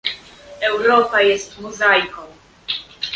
Europa jest mozaiką